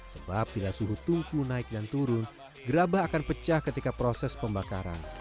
sebab bila suhu tungku naik dan turun gerabah akan pecah ketika proses pembakaran